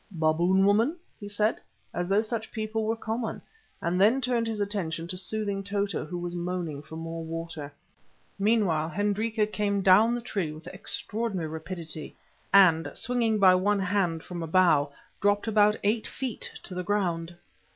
"Baboon woman?" he said, as though such people were common, and then turned his attention to soothing Tota, who was moaning for more water. Meanwhile Hendrika came down the tree with extraordinary rapidity, and swinging by one hand from a bough, dropped about eight feet to the ground.